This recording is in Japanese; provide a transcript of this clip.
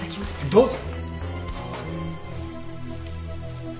どうぞ。